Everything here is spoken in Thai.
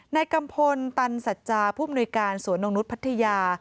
กัมพลตันสัจจาผู้มนุยการสวนนกนุษย์พัทยา